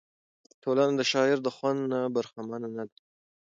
ټولنه د شاعر د خوند نه برخمنه نه ده.